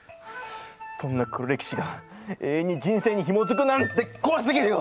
そんな黒歴史が永遠に人生にひもづくなんて怖すぎるよ！